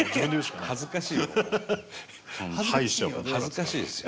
恥ずかしいですよ。